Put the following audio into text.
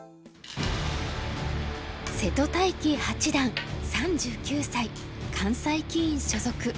瀬戸大樹八段３９歳関西棋院所属。